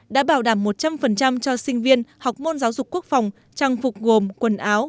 đã bảo đảm một trăm linh cho sinh viên học môn giáo dục quốc phòng trang phục gồm quần áo